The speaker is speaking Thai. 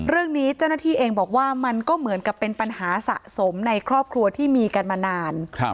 เรื่องนี้เจ้าหน้าที่เองบอกว่ามันก็เหมือนกับเป็นปัญหาสะสมในครอบครัวที่มีกันมานาน